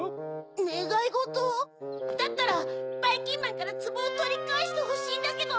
ねがいごと？だったらばいきんまんからつぼをとりかえしてほしいんだけど！